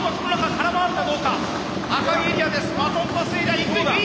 空回るか？